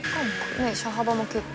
「車幅も結構」